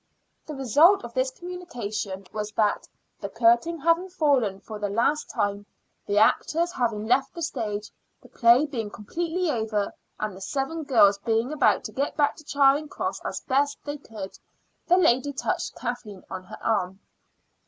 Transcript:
The result of this communication was that, the curtain having fallen for the last time, the actors having left the stage, the play being completely over, and the seven girls being about to get back to Charing Cross as best they could, the lady touched Kathleen on her arm.